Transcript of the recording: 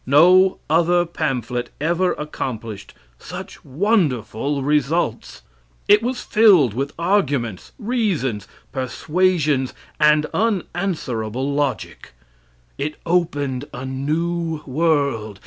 No other pamphlet ever accomplished such wonderful results. It was filled with arguments, reasons, persuasions, and unanswerable logic. It opened a new world.